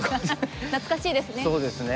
懐かしいですね。